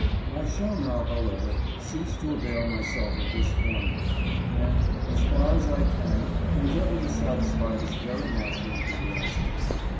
I shall now, however, cease to avail myself of this formula, and, as far as I can, endeavor to satisfy this very natural curiosity.